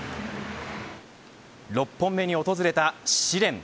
６本目に訪れた試練。